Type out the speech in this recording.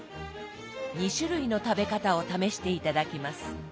２種類の食べ方を試して頂きます。